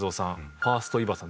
ファースト井端さん。